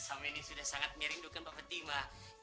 kasamin ini sudah sangat merindukan pak fethi mah